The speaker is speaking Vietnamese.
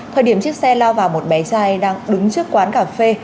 thời điểm chiếc xe lao vào một bé trai đang đứng trước quán cà phê